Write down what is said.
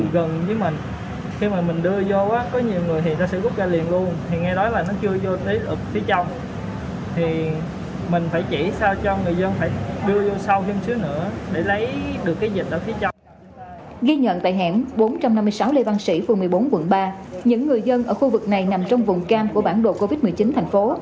ghi nhận tại hẻm bốn trăm năm mươi sáu lê văn sĩ phường một mươi bốn quận ba những người dân ở khu vực này nằm trong vùng cam của bản đồ covid một mươi chín thành phố